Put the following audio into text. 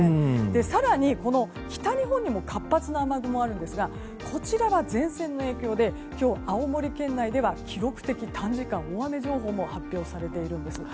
更に北日本にも活発な雨雲があるんですがこちらは前線の影響で今日、青森県内では記録的短時間大雨情報も発表されているんです。